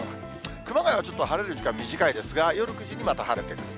熊谷はちょっと晴れる時間短いですが、夜９時にまた晴れてくると。